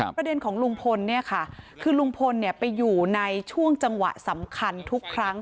ประเด็นของลุงพลเนี่ยค่ะคือลุงพลไปอยู่ในช่วงจังหวะสำคัญทุกครั้ง